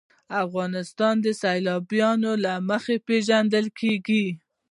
افغانستان د سیلابونه له مخې پېژندل کېږي.